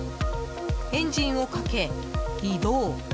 エンジンをかけ移動。